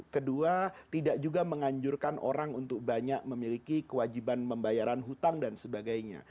kedua tidak juga menganjurkan orang untuk banyak memiliki kewajiban membayaran hutang dan sebagainya